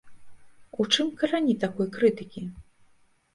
У чым карані такой крытыкі?